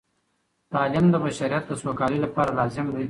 تعلیم د بشریت د سوکالۍ لپاره لازم دی.